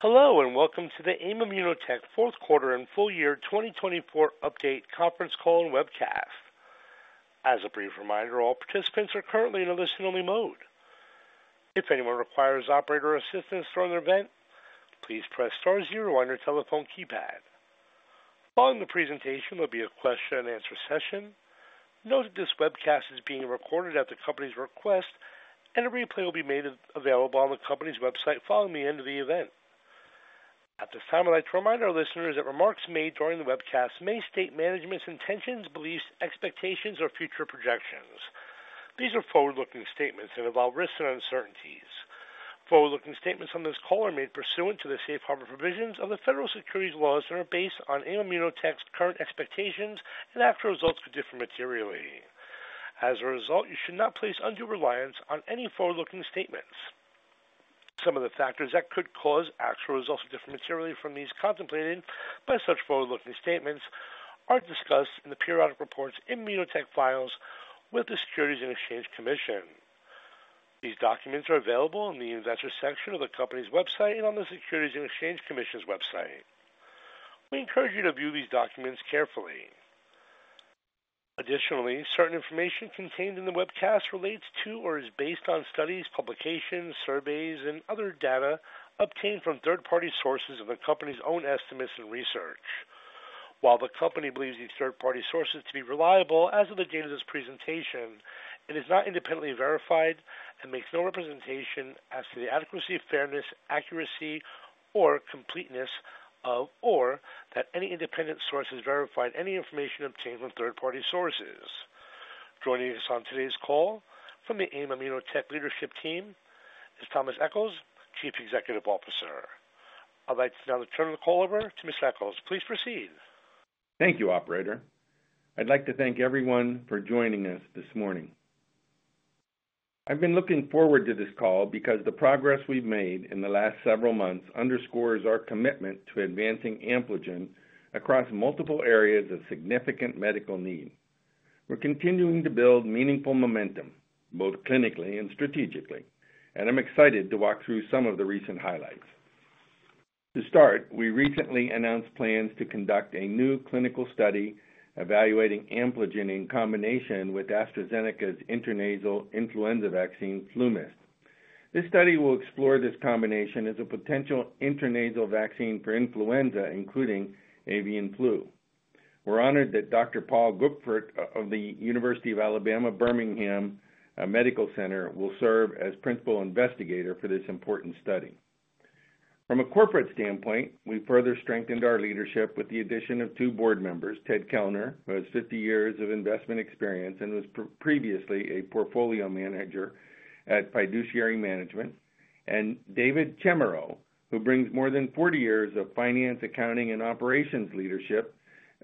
Hello and welcome to the AIM ImmunoTech Fourth Quarter and Full Year 2024 Update Conference Call and Webcast. As a brief reminder, all participants are currently in a listen-only mode. If anyone requires operator assistance during the event, please press star zero on your telephone keypad. Following the presentation, there'll be a question-and-answer session. Note that this webcast is being recorded at the company's request, and a replay will be made available on the company's website following the end of the event. At this time, I'd like to remind our listeners that remarks made during the webcast may state management's intentions, beliefs, expectations, or future projections. These are forward-looking statements and involve risks and uncertainties. Forward-looking statements on this call are made pursuant to the safe harbor provisions of the federal securities laws and are based on AIM ImmunoTech's current expectations and actual results could differ materially. As a result, you should not place undue reliance on any forward-looking statements. Some of the factors that could cause actual results to differ materially from those contemplated by such forward-looking statements are discussed in the periodic reports AIM ImmunoTech files with the Securities and Exchange Commission. These documents are available in the Investor section of the company's website and on the Securities and Exchange Commission's website. We encourage you to view these documents carefully. Additionally, certain information contained in the webcast relates to or is based on studies, publications, surveys, and other data obtained from third-party sources or the company's own estimates and research. While the company believes these third-party sources to be reliable as of the date of this presentation, it has not independently verified and makes no representation as to the adequacy, fairness, accuracy, or completeness of or that any independent source has verified any information obtained from third-party sources. Joining us on today's call from the AIM ImmunoTech leadership team is Thomas Equels, Chief Executive Officer. I'd like to now turn the call over to Mr. Equels. Please proceed. Thank you, operator. I'd like to thank everyone for joining us this morning. I've been looking forward to this call because the progress we've made in the last several months underscores our commitment to advancing Ampligen across multiple areas of significant medical need. We're continuing to build meaningful momentum, both clinically and strategically, and I'm excited to walk through some of the recent highlights. To start, we recently announced plans to conduct a new clinical study evaluating Ampligen in combination with AstraZeneca's intranasal influenza vaccine, FluMist. This study will explore this combination as a potential intranasal vaccine for influenza, including avian flu. We're honored that Dr. Paul Goepfert of the University of Alabama Birmingham Medical Center will serve as principal investigator for this important study. From a corporate standpoint, we've further strengthened our leadership with the addition of two board members, Ted Kellner, who has 50 years of investment experience and was previously a portfolio manager at Fiduciary Management, and David Chemerow, who brings more than 40 years of finance, accounting, and operations leadership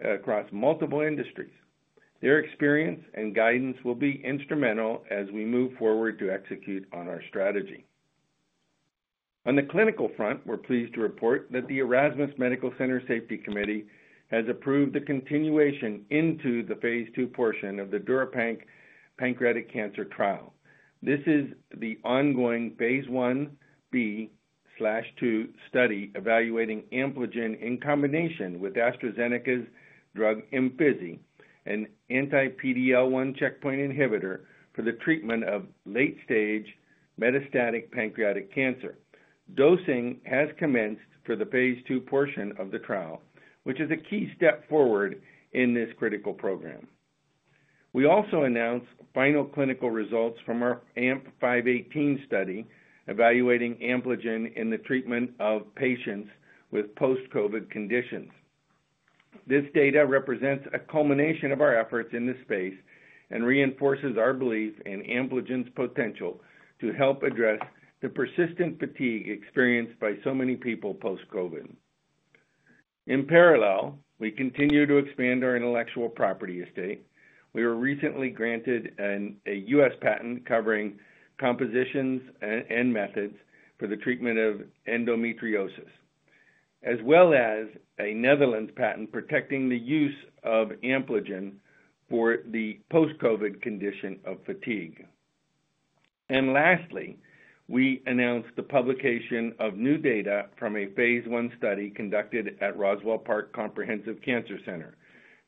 across multiple industries. Their experience and guidance will be instrumental as we move forward to execute on our strategy. On the clinical front, we're pleased to report that the Erasmus Medical Center Safety Committee has approved the continuation into the phase two portion of the DURIPANC pancreatic cancer trial. This is the ongoing Phase 1b/2 study evaluating Ampligen in combination with AstraZeneca's drug Imfinzi, an anti-PD-L1 checkpoint inhibitor for the treatment of late-stage metastatic pancreatic cancer. Dosing has commenced for the phase two portion of the trial, which is a key step forward in this critical program. We also announced final clinical results from our AMP-518 study evaluating Ampligen in the treatment of patients with post-COVID conditions. This data represents a culmination of our efforts in this space and reinforces our belief in Ampligen's potential to help address the persistent fatigue experienced by so many people post-COVID. In parallel, we continue to expand our intellectual property estate. We were recently granted a U.S. patent covering compositions and methods for the treatment of endometriosis, as well as a Netherlands patent protecting the use of Ampligen for the post-COVID condition of fatigue. Lastly, we announced the publication of new data from a phase I study conducted at Roswell Park Comprehensive Cancer Center.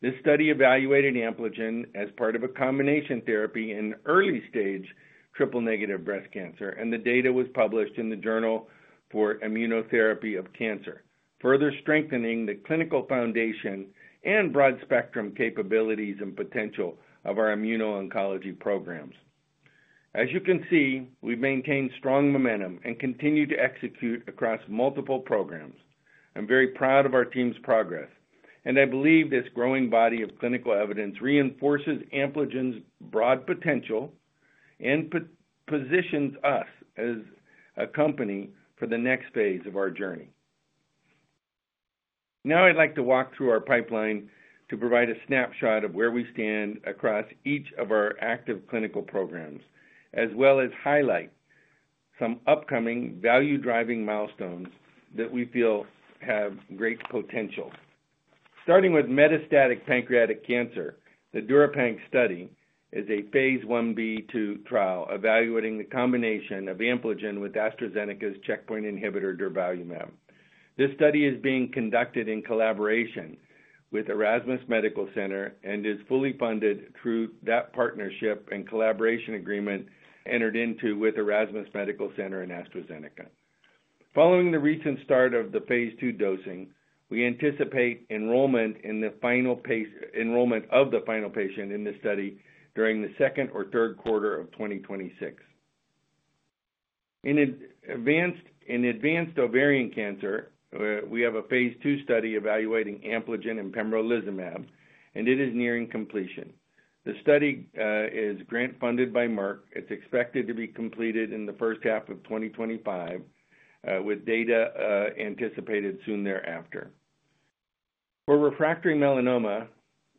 This study evaluated Ampligen as part of a combination therapy in early-stage triple-negative breast cancer, and the data was published in the Journal for Immunotherapy of Cancer, further strengthening the clinical foundation and broad-spectrum capabilities and potential of our immuno-oncology programs. As you can see, we've maintained strong momentum and continue to execute across multiple programs. I'm very proud of our team's progress, and I believe this growing body of clinical evidence reinforces Ampligen's broad potential and positions us as a company for the next phase of our journey. Now, I'd like to walk through our pipeline to provide a snapshot of where we stand across each of our active clinical programs, as well as highlight some upcoming value-driving milestones that we feel have great potential. Starting with metastatic pancreatic cancer, the DURIPANC study is a phase 1b/2 trial evaluating the combination of Ampligen with AstraZeneca's checkpoint inhibitor durvalumab. This study is being conducted in collaboration with Erasmus Medical Center and is fully funded through that partnership and collaboration agreement entered into with Erasmus Medical Center and AstraZeneca. Following the recent start of the phase two dosing, we anticipate enrollment in the final patient in this study during the second or third quarter of 2026. In advanced ovarian cancer, we have a phase two study evaluating Ampligen and pembrolizumab, and it is nearing completion. The study is grant-funded by Merck. It's expected to be completed in the first half of 2025, with data anticipated soon thereafter. For refractory melanoma,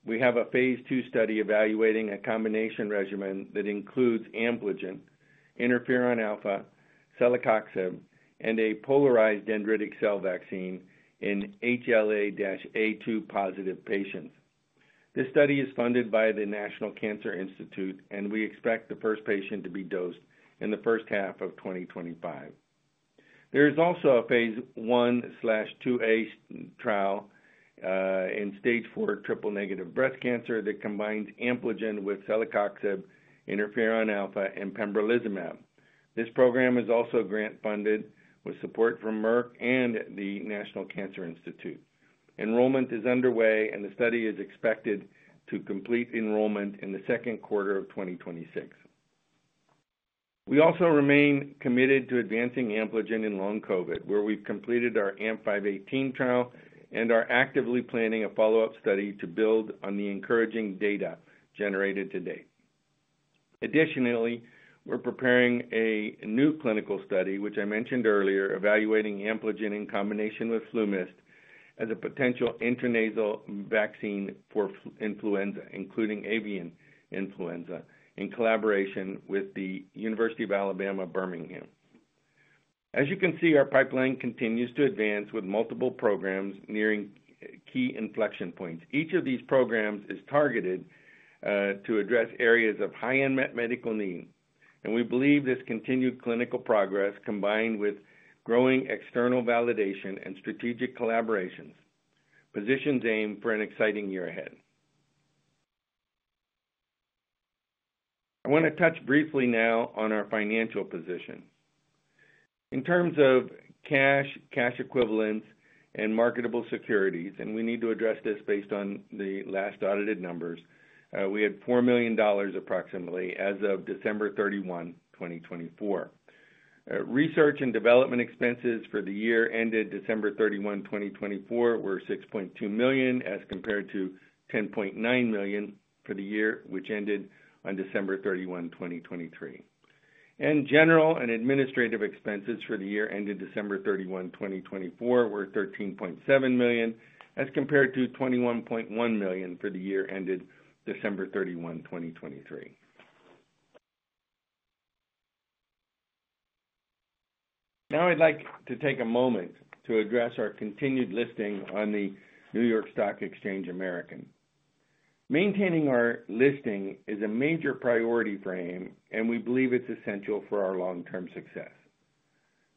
we have a phase two study evaluating a combination regimen that includes Ampligen, interferon alpha, celecoxib, and a polarized dendritic cell vaccine in HLA-A2 positive patients. This study is funded by the National Cancer Institute, and we expect the first patient to be dosed in the first half of 2025. There is also a Phase 1/2a trial in stage 4 triple-negative breast cancer that combines Ampligen with celecoxib, interferon alpha, and pembrolizumab. This program is also grant-funded with support from Merck and the National Cancer Institute. Enrollment is underway, and the study is expected to complete enrollment in the second quarter of 2026. We also remain committed to advancing Ampligen in long COVID, where we've completed our AMP-518 trial and are actively planning a follow-up study to build on the encouraging data generated to date. Additionally, we're preparing a new clinical study, which I mentioned earlier, evaluating Ampligen in combination with FluMist as a potential intranasal vaccine for influenza, including avian influenza, in collaboration with the University of Alabama Birmingham. As you can see, our pipeline continues to advance with multiple programs nearing key inflection points. Each of these programs is targeted to address areas of high-end medical need, and we believe this continued clinical progress, combined with growing external validation and strategic collaborations, positions AIM for an exciting year ahead. I want to touch briefly now on our financial position. In terms of cash, cash equivalents, and marketable securities, and we need to address this based on the last audited numbers, we had $4 million approximately as of December 31, 2024. Research and development expenses for the year ended December 31, 2024, were $6.2 million as compared to $10.9 million for the year which ended on December 31, 2023. General and administrative expenses for the year ended December 31, 2024, were $13.7 million as compared to $21.1 million for the year ended December 31, 2023. Now, I'd like to take a moment to address our continued listing on the New York Stock Exchange American. Maintaining our listing is a major priority for AIM, and we believe it's essential for our long-term success.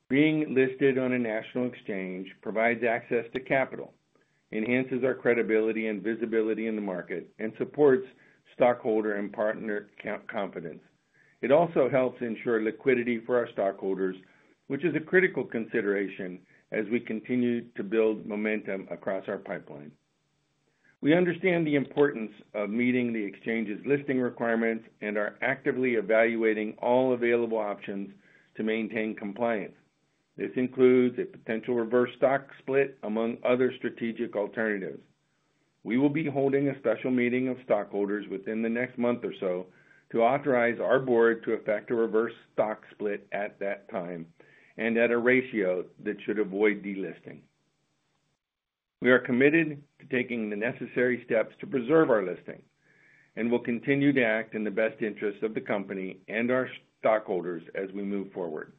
Being listed on a national exchange provides access to capital, enhances our credibility and visibility in the market, and supports stockholder and partner confidence. It also helps ensure liquidity for our stockholders, which is a critical consideration as we continue to build momentum across our pipeline. We understand the importance of meeting the exchange's listing requirements and are actively evaluating all available options to maintain compliance. This includes a potential reverse stock split among other strategic alternatives. We will be holding a special meeting of stockholders within the next month or so to authorize our board to effect a reverse stock split at that time and at a ratio that should avoid delisting. We are committed to taking the necessary steps to preserve our listing and will continue to act in the best interests of the company and our stockholders as we move forward.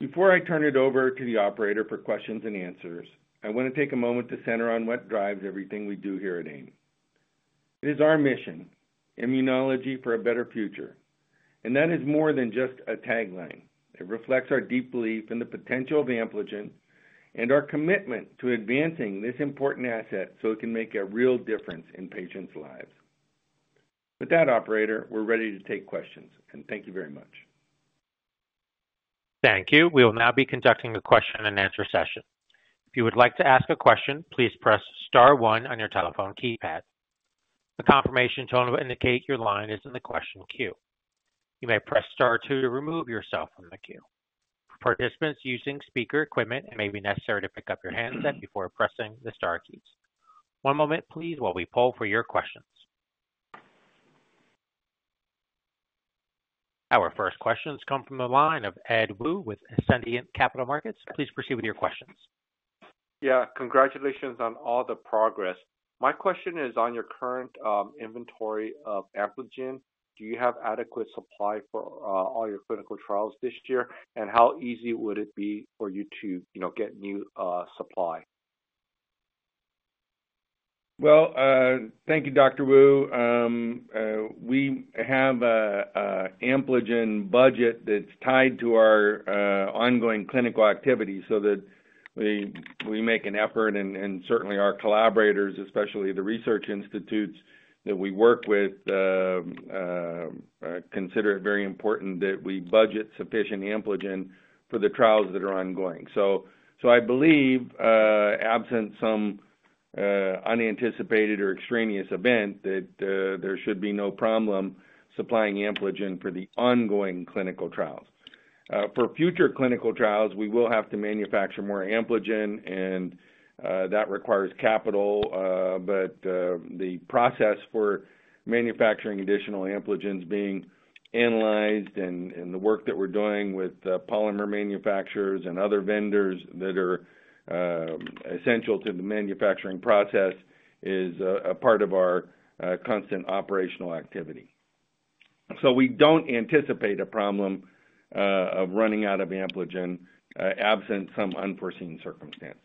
Before I turn it over to the Operator for questions and answers, I want to take a moment to center on what drives everything we do here at AIM. It is our mission, Immunology for a Better Future, and that is more than just a tagline. It reflects our deep belief in the potential of Ampligen and our commitment to advancing this important asset so it can make a real difference in patients' lives. With that, operator, we're ready to take questions, and thank you very much. Thank you. We will now be conducting a question-and-answer session. If you would like to ask a question, please press star one on your telephone keypad. The confirmation tone will indicate your line is in the question queue. You may press star two to remove yourself from the queue. For participants using speaker equipment, it may be necessary to pick up your handset before pressing the star keys. One moment, please, while we poll for your questions. Our first questions come from the line of Ed Woo with Ascendiant Capital Markets. Please proceed with your questions. Yeah. Congratulations on all the progress. My question is on your current inventory of Ampligen. Do you have adequate supply for all your clinical trials this year, and how easy would it be for you to get new supply? Thank you, Dr. Woo. We have an Ampligen budget that's tied to our ongoing clinical activity so that we make an effort, and certainly our collaborators, especially the research institutes that we work with, consider it very important that we budget sufficient Ampligen for the trials that are ongoing. I believe, absent some unanticipated or extraneous event, that there should be no problem supplying Ampligen for the ongoing clinical trials. For future clinical trials, we will have to manufacture more Ampligen, and that requires capital, but the process for manufacturing additional Ampligen is being analyzed and the work that we're doing with polymer manufacturers and other vendors that are essential to the manufacturing process is a part of our constant operational activity. We don't anticipate a problem of running out of Ampligen absent some unforeseen circumstance.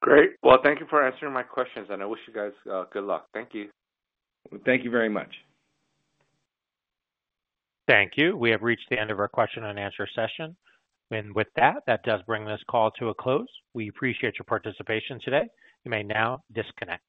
Great. Thank you for answering my questions, and I wish you guys good luck. Thank you. Thank you very much. Thank you. We have reached the end of our question-and-answer session. That does bring this call to a close. We appreciate your participation today. You may now disconnect.